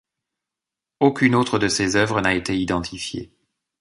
Aucune autre de ses œuvres n'a été identifiée.